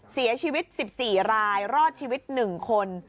เสียชีวิต๑๔รายรอดชีวิต๑คน